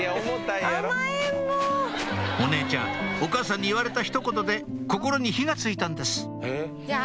お姉ちゃんお母さんに言われたひと言で心に火が付いたんですじゃあ